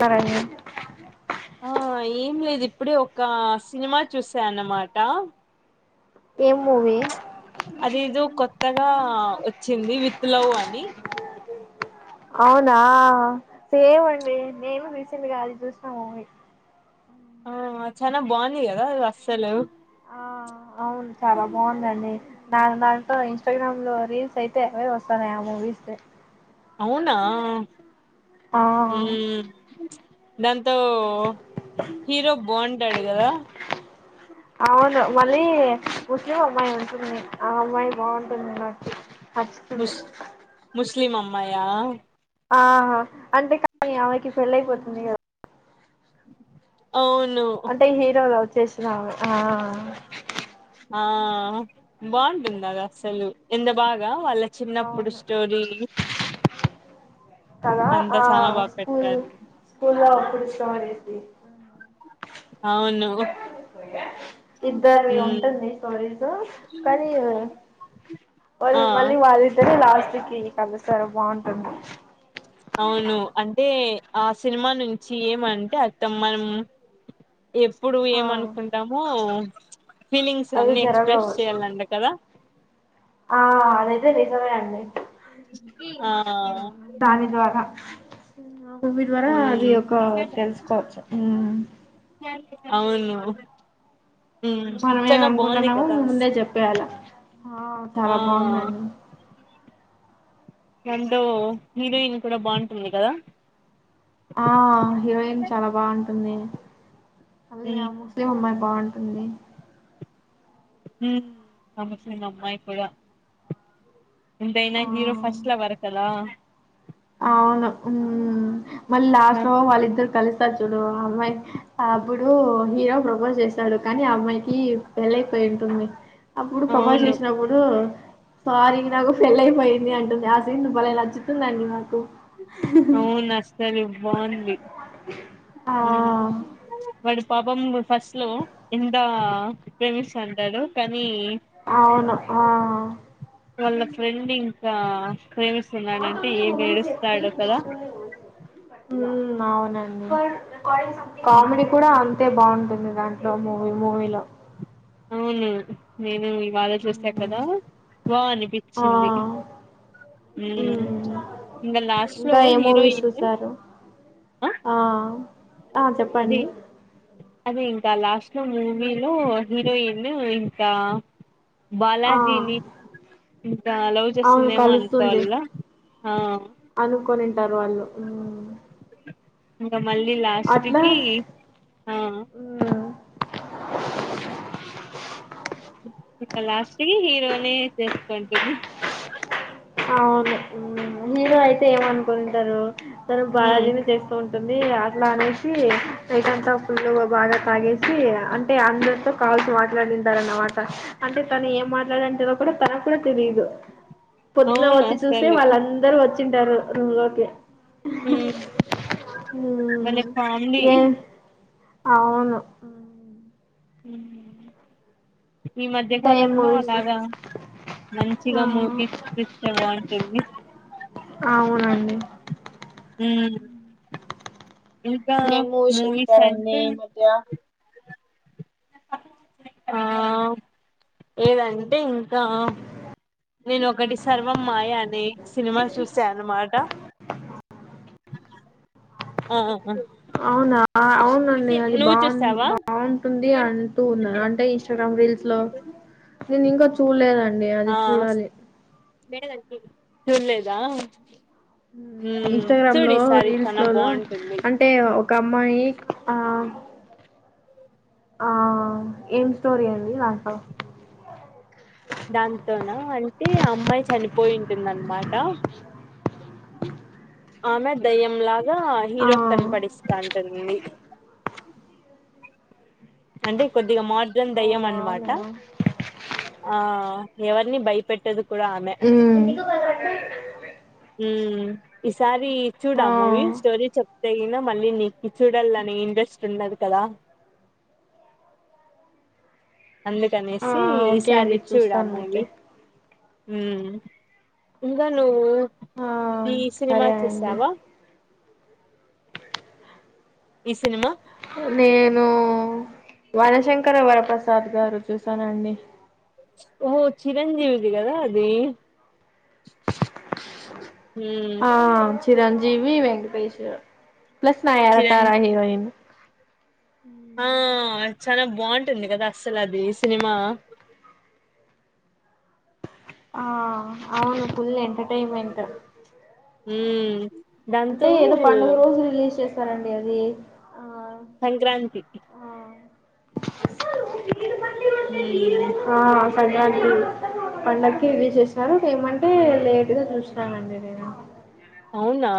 సరేండి ఆ ఏం లేదు ఇప్పుడే ఒక సినిమా చూసాన్నమాట ఏం మూవీ అదేదో కొత్తగా వచ్చింది విత్ లవ్ అని అవునా సేమ్ అండి నేను రీసెంట్ గా అది చూసా మూవీ ఆ చానా బాఉంది గదా అది అస్సలు ఆ అవును చాలా బాఉందండి నా దాంట్లో ఇన్స్టాగ్రామ్ లో రీల్స్ అయితే అవే వస్తాన్నయి ఆ మూవీస్ ది అవునా ఆ మ్ దంతో హీరో బొంటాడు కదా అవును మళ్ళీ ముస్లిం అమ్మాయి ఉంటుంది ఆ అమ్మాయి బాటుంది నాకు వస్తుంది ముస్లీమ్ అమ్మాయా ఆహా అంతే కాని అమెకి పెళ్ళి అయిపోతుంది కదా అవును చేసినివా ఆ ఆ బాఉంటుంది అది అసలు ఎంత బాగా వాళ్ళకి చిన్నప్పుడు అవును స్టోరీ తగా అంతా ఆ చానా బాగా స్కూల్ పెట్టారు స్కూల్ లోప్పుడు సో లేజీ [inaudible] ఇద్దరివి మ్మ్ ఉంటుంది స్టోరీస్ కానీ ఆ వాళ్ళు మళ్ళీ వాళ్ళు ఇద్దరే లాస్ట్ ఇంతకీ కలుస్తారా బాగుంటుంది అవును అదే ఆ సినిమా నుంచి ఏమంటే అర్ధం మనం ఎప్పుడు ఆ ఏమనుకుంటామో ఫీలింగ్స్ అవి అన్ని జరగవు ఎక్సప్రెస్స్ చేయాలాంట కదా ఆ అదైతే నిజమే అండి ఆ దాని ద్వారా మువి ద్వారా అది మ్మ్ ఒక తెలుసుకోవచ్చు హ్మ్మ్ అవును మ్మ్ మనం ఏమి చానా బాగుంది అనుకుంటున్నామో కదా ముందే అసలు. చెప్పేయాల హా ఆ చాలా బాదండి దాంట్లో హీరోయిన్ కూడా బాగుట్టుంది కదా ఆ హీరోయిన్ చాలా బాగుంటుంది మళ్ళీ ఆ మ్మ్ ముస్లిం ఉమ్మయి బాటు అే హ నమస్ అమ్మాయి కూడా కూడా ఇంతైనా హీరో ఆ ఫస్ట్ లవర్ కదా అవును మళ్ళ లాస్ట్ లో దాన్ వాళ్ళిద్దరు కలిసి చుడు అమ్మాయి అప్పుడు హీరో ప్రపోజ్ చేస్తాడు కానీ అమ్మాయికి వెలైపోయి ఉంటుంది అప్పుడు ప్రపోస్ అవును చేసినప్పుడు సారి నాకు ఫెల్లి ఐపోయింది అంటుంది అ సీను నచ్చితుందండి ట అవున్ అస్సలు బాగ్ లే ఆ! వడు పాపం ఫస్ట్ లో ఎంత ప్రేమిస్తంటారు కానీ అవును ఆ వాళ్ళ ఫ్రెండ్ ఇంకా నాట్ ప్రేమిస్తున్నాడంటే ఓన్లీ ఏం ఉమెన్ ఏేడుస్తాడు కదా ఉ అవునండి కామెడీ కూడా అంతే బాగుంటుంది దాంట్లో మూవీ మూవీలో అవును నేను బాళ చూసా హ్మ్. కదా వా ఆ! అనిపించింది హ్మ్. ఇంకా లాస్ట్ లో ఇంకా ఏ మూవీస్ హీరోయిన్ చూసారు ఆ ఆ అదే చెప్పండ్ని అదే ఇంకా లాస్ట్ లో మూవీలో హీరోయిను ఇంకా ఆ బాలాజీ నీ ఇంకా లవ్ అవును చేస్తుందేమో కలుస్తుంది అనుకోవాలా ఆ టారు. వాళ్ళు హు హుహ్ ఇకా మళ్ళీ లాస్ట్కి ఆ మ్మ్ ఇకా లాస్ట్కి హీరోనే చేసుకుంటుంది. అవును హుమ్ మీరు అయితే ఏమనుకుంటారు. తన ఉమ్ బాలజీని చేస్కోన్ టుంది. అట్లా అనేసి నైటంతా ఫులుగా బాగా తాగేసి, అంటే అందరితో కావాల్సి మాట్లాడింధరన్మాట. అంటే తను ఏం మాట్లాడంటేందో కూడా తనకు కూడా తెలియదు. అవునాస్ సే వాళ్ళ అందరు వర్ వచ్చింటారు. రూవలోకి ఉమ్ భలే కామెడీ ఏ అవును హుహు ఈ మధ్య ఇంకా ఏం కాలంలో మూవీస్ అలాగా ఆ మంచిగా మూవీ తీస్తే బావుంటుంది. అవునండి హుహ్ నెమోషిక నేమీయా ఆ ఏదంటే ఇంకా నేను ఒకటి సర్వం మాయ అనే సినిమా చూసా అన్నమాట ఆ ఆ అవునా ఆ అవునండి అది బా చూసావా బావుంటుంది. అంటూ ఉన్నార్. అంటే ఇంస్టాగ్రామ్ రీల్సలో నేను ఇంకా చూడలేదండి, అది ఆ చూడాలి. చులేదా హుహు ఇంస్టాగ్రామ్లాలో చానా రీల్సలో బాగుంటుంది అంటే ఒక అమ్మాయి ఆ ఆ ఏం స్టోరీ అండి. నాకావ్ దాంతోన అంటే అమ్మాయి చనిపోయి ఉంటుందన్మాట. ఆమె దయ్యంలగ్ కా ఆ హీరోక్ కనపడిస్తంటుంది అంటే కొద్దిగా మాట్ కన్ ఓ దయ్యం అన్నమాట. అవునా ఆ ఎవరిని భయపెట్టదు. కూడా ఆమె ఉమ్ హు ఈ సార్ ఈ చూడా మూవీ ఆ స్టో చెప్పతే ఇన్నావ్. మళ్ళీ నీకు చూడాలనే ఇంట్రెస్ట్ ఉండదు. కదా ఆ అందుకనేసి ఓకే ఈసారి అండి చూడా చూస్తాను మూవీ అయితే ఊ ఇంగ నువ్వు ఆ ఈ సినిమా సరే అండి చూసావా ఈ సినిమా నేను వరశంకర వరప్రసాద్ గారు చూసానండి ఓ చిరంజీవిది కదా అది [unintelligible] మ్మ్ ఆ చిరాంజ్ జివి వెంకటేష్ ప్లస్ నా యార తారా చిరంజీ హీరోయిన్ ఆ చాలా బాగుంటుంది కదా అస్సలు అది సినిమా ఆ అవును ఫుల్ ఎంటర్టైన్మెంట్ ఆ ఉ దాంతో సరండి అది ఆ సంక్రాంతి ఆ [unintelligible] హు ఆ సంక్రాంతి పండకి రిలీజ్ చేసినారు ఏమంటే లేట్ గా చూసానమండి మేము అవునా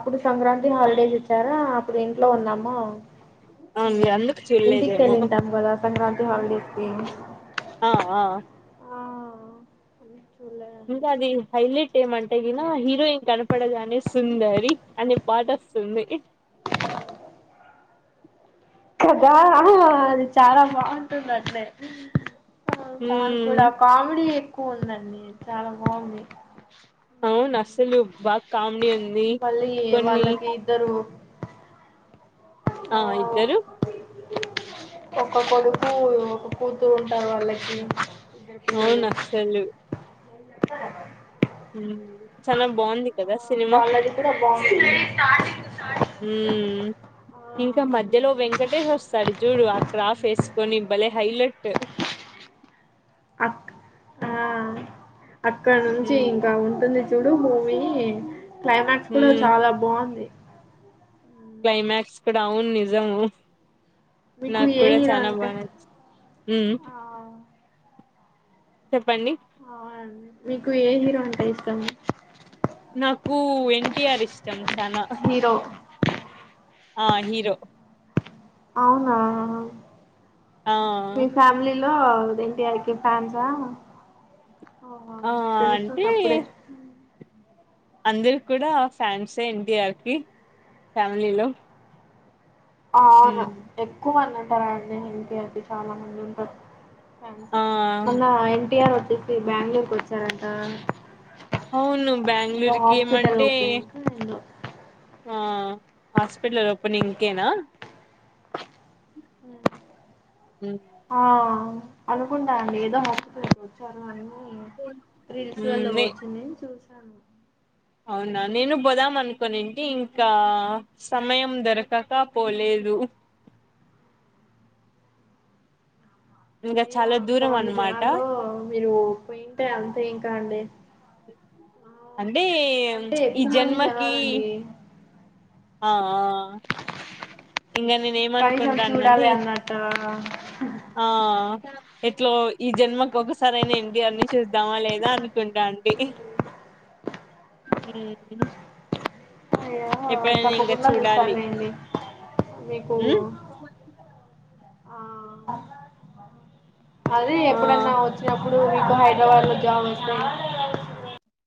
అప్పుడు సంక్రాంతి హల్ ఏంది సారా [inaudible] అప్పుడు ఇంట్లో ఉన్నాం మా అవున్ మీరు అందుకు చూడలేదేమో కదా సంక్రాంతి హల్ డెస్ కి ఆ ఆ చూడలేదండి ఇంకా అది హైలీట్ ఏమంటే ఈనా హీరోయిన్ కనపడదు అనేస్ సుందరి అనే పాట వస్తుంది కదా ఆ అది చాలా బాగుంటుంది అట్లే ఆ దానికి మ్మ్ కూడా కామెడీ ఎక్కువ ఉందండి అండి చాలా బాగుంది అవును అసలు బాగా కామెడీ ఉంది మళ్ళీ కొన్ని వాళ్ళకి ఇద్దరు ఆ ఇద్దరు ఒక కొడుకు ఒక కూతురు ఉంటారు వాళ్ళకి పిల్లలు అవును అసలు [inaudible] చానా బావుంది ఆ కదా సినిమా వాళ్ళది కూడా బాగుంటుంది ఆ ఇంకా అవునండి మధ్యలో వెంకటేష్ వస్తాడు చూడు అక్కడ ఆఫేసుకొని భలే హైలట్ అ అక్కడినుంచి ఉమ్ ఇంకా ఉంటుంది చూడు చూడు మూవీ క్లైమాక్స్ కూడా ఉమ్ చాలా బాగుంది క్లైమాక్స్ కూడా అవున్ నిజము మీకు నాకు ఏ కూడా హీరో చాలా అంటే బాగా నచ్చింది ఆ చెప్పండి అవునండి మీకు ఏ హీరో ఉంటాయి ఇష్టం నాకు ఎన్టీఆర్ ఇష్టం చానా హీరో ఆ హీరో అవునా ఆ ఓ ఎన్టీఆర్ ఫ్యాన్స్ అవునా ఆ తెలుస్తుంది అంటే అప్పుడే అందరు ఫ్యామిలీలో కూడా ఎన్టీఆర్ ఫ్యాన్స్ అవునా ఎక్కువ ఆ అండి ఎన్టీఆర్ కి చాలామంది ఉంటారు ఆ మొన్న ఎన్టీఆర్ ఫ్యాన్స్ బెంగళూరుకి వచ్చారంట అవును ఏదో బెంగళూరుకి హాస్పిటల్ ఏమంటే ఓపెనింగ్‌కి ఏందో ఆ హాస్పిటల్ ఓపెనింగ్ కేనా ఉహ్ ఉమ్ ఆ అనుకుంటా అండి ఏదో హాస్పిటల్ వచ్చారు అని వచ్చింది రీల్స్ ఉమ్, లో నే చూసా అవునా నేను పోదాం అనుకోని ఇంకా సమయం దొరకక పోలేదు ఇంకా అయ్యో చాలా దూరం అంతమంది అనమాట జనాల్లో మీరు పోయింటే అంతే ఇంకా అండి ఆ అంటే అంటే ఈ ఎక్కువ మంది జన్మకి జనాలండి ఆ ఇంకా నేను కనీసం ఏమనుకుంటానంటే చూడాలి అన్నట్ట ఆ ఎట్లో ఈ జన్మకు ఒకసారి అయినా ఎన్టీఆర్ ని చూద్దామా లేదా అనుకుంటా అండి ఉహ్ ఉహ్ ఆ తప్పకుండా చూడాలి చూస్తానులేండి. మీకు ఉమ్ ఆ అదే ఆ ఎప్పుడన్నా వచ్చినప్పుడు మీకు హై హైదరాబాద్లో జాబ్ వస్తే [unintelligible]